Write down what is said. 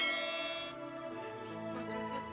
gak rapat musik addicted